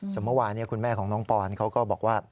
ส่วนเมื่อวานคุณแม่ของน้องปอนเขาก็บอกว่า